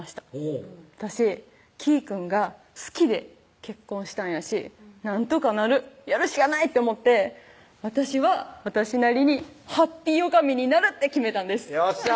うん私きーくんが好きで結婚したんやしなんとかなるやるしかないと思って私は私なりにハッピー女将になるって決めたんですよっしゃ！